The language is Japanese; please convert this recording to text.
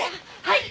はい！